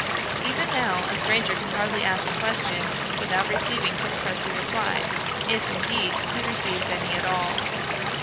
Even now, a stranger can hardly ask a question without receiving some crusty reply, if, indeed, he receive any at all.